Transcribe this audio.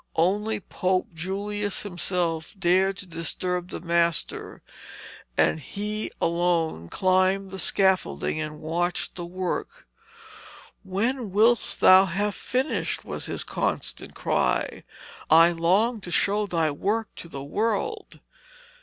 Only Pope Julius himself dared to disturb the master, and he alone climbed the scaffolding and watched the work. 'When wilt thou have finished?' was his constant cry. 'I long to show thy work to the world.'